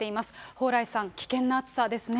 蓬莱さん、危険な暑さですね。